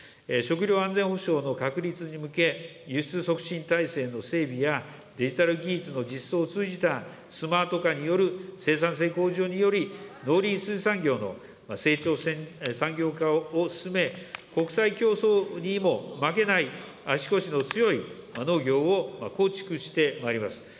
食料安全保障の確立に向け、輸出促進体制の整備や、デジタル技術の実装を通じた、スマート化による生産性向上により、農林水産業の成長産業化を進め、国際競争にも負けない、足腰の強い農業を構築してまいります。